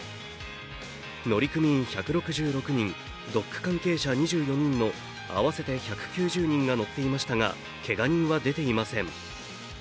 乗組員１６６人、ドック関係者２４人の合わせて１９０人が乗っていましたがけが人は出ていません。